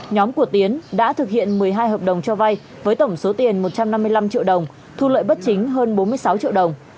nhóm của tiến đã thực hiện một mươi hai hợp đồng cho vai với tổng số tiền một trăm năm mươi năm triệu đồng thu lợi bất chính hơn bốn mươi sáu triệu đồng